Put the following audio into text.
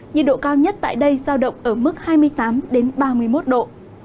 nhiệt độ cao nhất tại đây giao động ở mức hai mươi tám ba mươi một độ